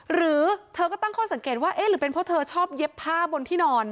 หรือเธอก็ตั้งข้อสังเกตว่าเอ๊ะหรือเป็นเพราะเธอชอบเย็บผ้าบนที่นอน